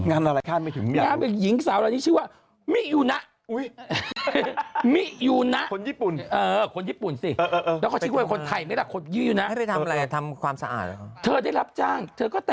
งานอะไรคาดไม่ถึง